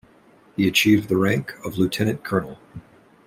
He achieved the rank of lieutenant colonel.